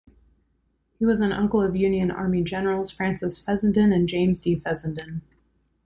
He was an uncle of Union Army generals, Francis Fessenden and James D. Fessenden.